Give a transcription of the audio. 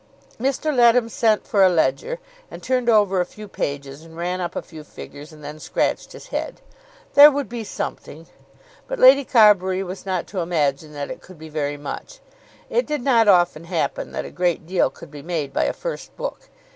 Mr. Leadham sent for a ledger, and turned over a few pages and ran up a few figures, and then scratched his head. There would be something, but Lady Carbury was not to imagine that it could be very much. It did not often happen that a great deal could be made by a first book.